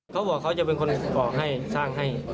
เขาบอกเขาจะเป็นคนบอกให้สร้างให้